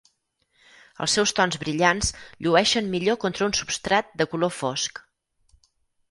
Els seus tons brillants llueixen millor contra un substrat de color fosc.